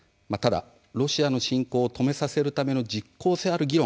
ロシアの侵攻を止めさせる実効性ある議論